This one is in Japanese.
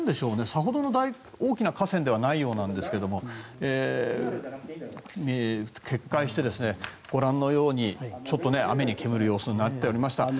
さほどの大きな河川ではないようなんですが決壊して、ご覧のように雨に煙る様子になっていました。